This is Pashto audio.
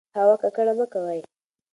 هوا ککړه مه کوئ.